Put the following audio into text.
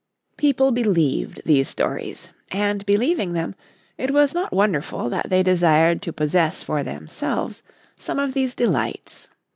People believed these stories. And, believing them, it was not wonderful that they desired to possess for themselves some of these delights.